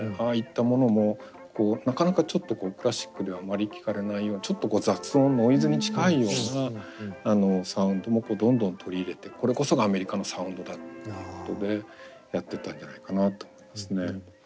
ああいったものもこうなかなかちょっとクラシックではあまり聞かれないようなちょっとこう雑音ノイズに近いようなサウンドもどんどん取り入れてこれこそがアメリカのサウンドだっていうことでやってったんじゃないかなと思いますね。